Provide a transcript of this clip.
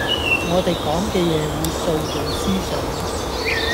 我地講嘅嘢會塑造思想